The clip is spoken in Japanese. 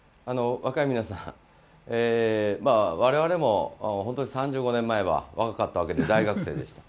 若い皆さん、我々も本当に３５年前は若かったわけで大学生でした。